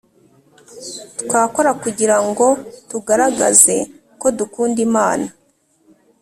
twakora kugira ngo tugaragaze ko dukunda Imana